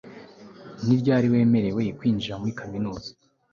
Ni ryari wemerewe kwinjira muri kaminuza